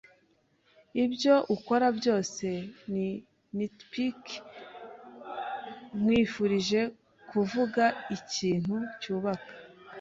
Ibyo ukora byose ni nitpick. Nkwifurije kuvuga ikintu cyubaka.